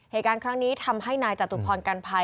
เหตุการณ์ครั้งนี้ทำให้นายจตุพรกันภัย